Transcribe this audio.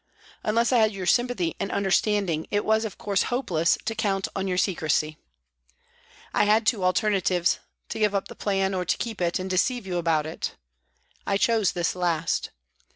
Unless I had your sympathy and understanding, it was, of course, hopeless to count on your secrecy. I had two alternatives, to give up the plan, or to keep it and deceive you about it. I chose this last.